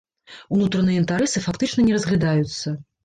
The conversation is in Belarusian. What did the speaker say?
Унутраныя інтарэсы фактычна не разглядаюцца.